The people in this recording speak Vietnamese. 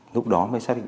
lúc đó mới xác định